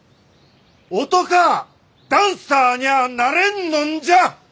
男あダンサーにゃあなれんのんじゃ！